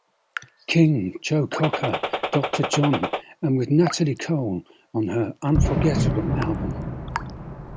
King, Joe Cocker, Doctor John, and with Natalie Cole on her "Unforgettable" album.